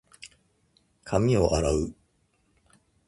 髪を洗う。